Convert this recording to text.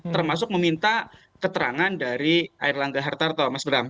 termasuk meminta keterangan dari air langga hartarto mas bram